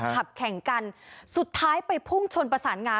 ขับแข่งกันสุดท้ายไปพุ่งชนประสานงา